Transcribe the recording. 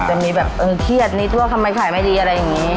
จะมีแบบเออเครียดนิดว่าทำไมขายไม่ดีอะไรอย่างนี้